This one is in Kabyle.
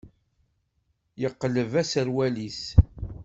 Yeqleb aserwal-is.